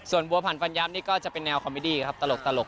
ส่วนบัวผันฟันย้ำนี่ก็จะเป็นแนวคอมมิดี้ครับตลก